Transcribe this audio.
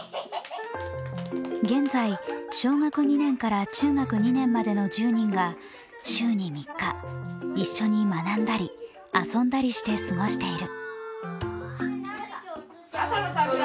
現在、小学２年から中学２年までの１０人が週に３日、一緒に学んだり遊んだりして過ごしている。